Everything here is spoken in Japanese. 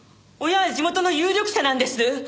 親は地元の有力者なんです。